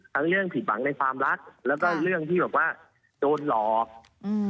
เรื่องผิดหวังในความรักแล้วก็เรื่องที่แบบว่าโดนหลอกอืม